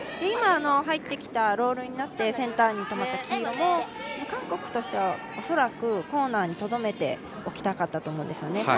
今、入ってきたロールになってセンターに止まった黄色も韓国としては、恐らくコーナーにとどめておきたかったと思うんですよね。